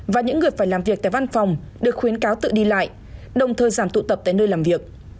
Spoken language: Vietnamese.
và những người phải làm việc tại văn phòng được khuyến cáo tự đi lại đồng thời giảm tụ tập tại nơi làm việc